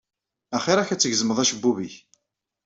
Axiṛ-ak ad tgezmeḍ acebbub-ik.